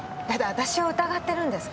私を疑ってるんですか？